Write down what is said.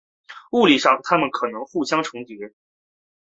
物理上它们可能互相重叠。